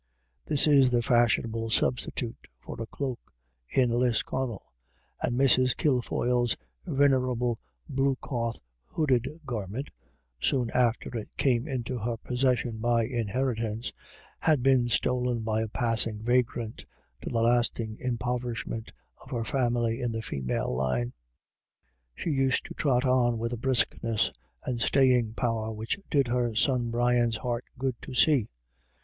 This is the fashionable substitute for a cloak in Lisconncl, and Mrs. Kilfoyle's venerable blue cloth hooded garment, soon after it came into her possession by inheritance, had been stolen by a passing vagrant, to the lasting impoverishment of her family in the female line. She used to trot on with a briskness and staying power which did her son Brian's heart good to see.